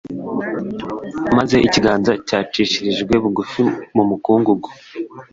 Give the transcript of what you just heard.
Maze ikiganza cyacishirijwe bugufi mu mukungugu